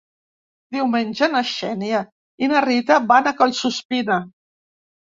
Diumenge na Xènia i na Rita van a Collsuspina.